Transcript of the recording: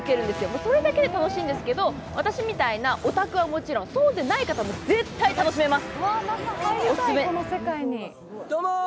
それだけでも楽しいんですけど私みたいなオタクはもちろん、そうでない方も絶対に楽しめます。